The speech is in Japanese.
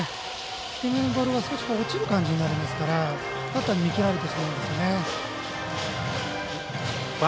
低めのボールが少し落ちる感じになりますからバッターに見切られてしまうんですね。